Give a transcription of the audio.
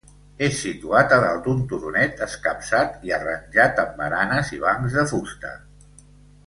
És situat a dalt d'un turonet escapçat i arranjat amb baranes i bancs de fusta.